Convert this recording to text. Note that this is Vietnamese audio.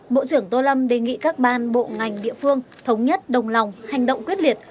bộ trưởng tô lâm đề nghị các ban bộ ngành địa phương thống nhất đồng lòng hành động quyết liệt